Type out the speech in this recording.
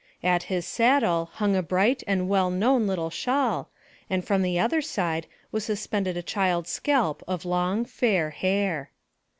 At his saddle hung a bright and well known little shawl, and from the other side was suspended a child's scalp of long, fair hair.